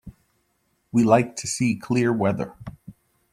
We like to see clear weather.